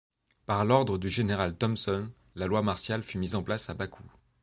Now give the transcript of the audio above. Par l'ordre du Général Thomson, la loi martiale fut mise en place à Bakou.